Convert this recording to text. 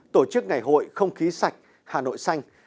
tổ chức ngày hội không khí sạch hà nội xanh